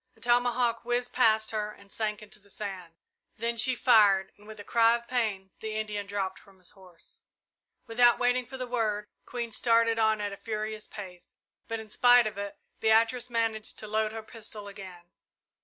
A tomahawk whizzed past her and sank into the sand. Then she fired, and with a cry of pain, the Indian dropped from his horse. Without waiting for the word, Queen started on at a furious pace, but in spite of it, Beatrice managed to load her pistol again.